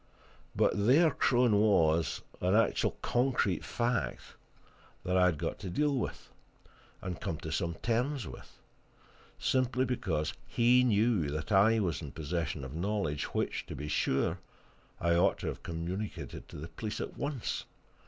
But there Crone was, an actual, concrete fact that I had got to deal with, and to come to some terms with, simply because he knew that I was in possession of knowledge which, to be sure, I ought to have communicated to the police at once.